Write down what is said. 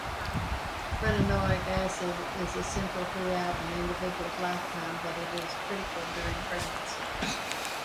Retinoic acid is essential throughout an individual's lifetime, but it is critical during pregnancy.